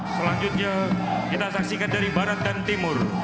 selanjutnya kita saksikan dari barat dan timur